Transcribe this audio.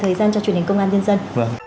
thời gian cho truyền hình công an nhân dân